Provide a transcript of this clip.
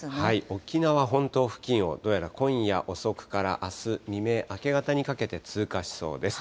沖縄本島付近をどうやら今夜遅くからあす未明、明け方にかけて通過しそうです。